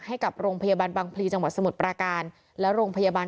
ให้กับโรงพยาบาลบางพลีจังหวัดสมุทรปราการและโรงพยาบาล